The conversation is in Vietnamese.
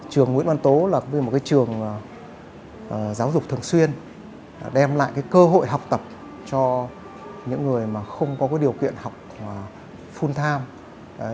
trường nguyễn văn tố là một trường giáo dục thường xuyên đem lại cơ hội học tập cho những người không có điều kiện học full time